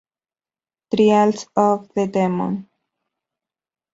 Trials of the Demon!